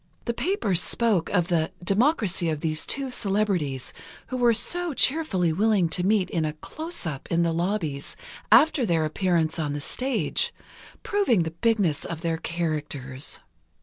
The papers spoke of the "democracy of these two celebrities, who were so cheerfully willing to meet in a 'closeup,' in the lobbies, after their appearance on the stage, proving the bigness of their characters."